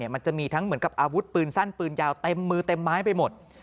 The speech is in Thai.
มันจะมีทั้งเหมือนกับอาวุธปืนสั้นปืนยาวเต็มมือเต็มไม้ไปหมด